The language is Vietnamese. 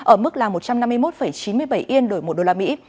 ở mức là một trăm năm mươi một chín mươi bảy yên đổi một đô la mỹ